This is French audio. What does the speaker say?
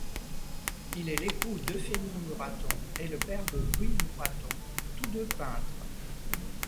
Il est l'époux d'Euphémie Muraton et le père de Louis Muraton, tous deux peintres.